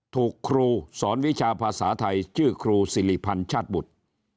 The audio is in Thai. ถูกครูสอนวิชาภาษาไทยชื่อครูสิริพันธ์ชาติบุตร